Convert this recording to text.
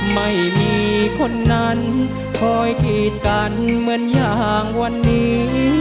ไม่มีคนนั้นคอยกีดกันเหมือนอย่างวันนี้